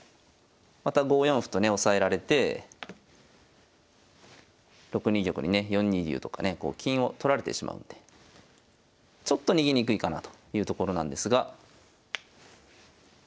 また５四歩とね押さえられて６二玉にね４二竜とかねこう金を取られてしまうんでちょっと逃げにくいかなというところなんですが。